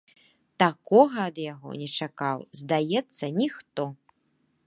Такога ад яго не чакаў, здаецца, ніхто.